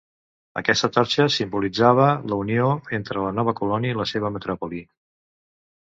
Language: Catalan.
Aquesta torxa simbolitzava la unió entre la nova colònia i la seva metròpoli.